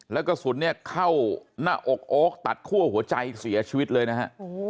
แล้วกระสุนเนี่ยเข้าหน้าอกโอ๊คตัดคั่วหัวใจเสียชีวิตเลยนะฮะ